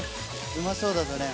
うまそうだぞ廉。